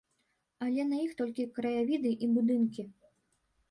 Але на іх толькі краявіды і будынкі.